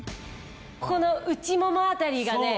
ここの内もも辺りがね